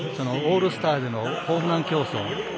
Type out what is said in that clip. オールスターでのホームラン競争。